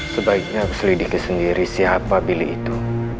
sebaiknya aku selidiki sendiri siapa billy itu